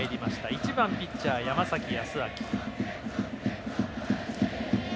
１番ピッチャー、山崎康晃。